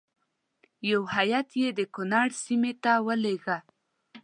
یو هیات یې د کنړ سیمې ته ولېږه.